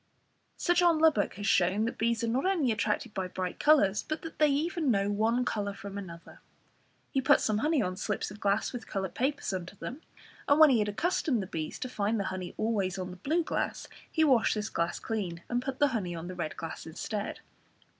Sir John Lubbock has shown that bees are not only attracted by bright colours, but that they even know one colour from another. He put some honey on slips of glass with coloured papers under them, and when he had accustomed the bees to find the honey always on the blue glass, he washed this glass clean, and put the honey on the red glass instead.